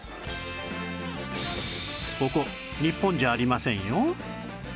ここ日本じゃありませんよ